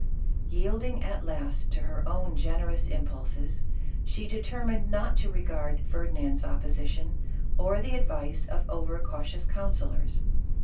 Yielding at last to her own generous impulses, she determined not to regard Ferdinand's opposition, or the advice of over cautious councillors.